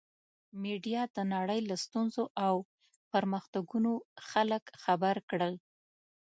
میډیا د نړۍ له ستونزو او پرمختګونو خلک خبر کړل.